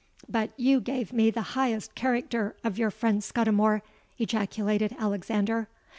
'—'But you gave me the highest character of your friend Scudimore!' ejaculated Alexander.